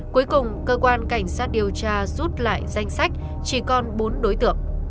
cuối cùng cơ quan cảnh sát điều tra rút lại danh sách chỉ còn bốn đối tượng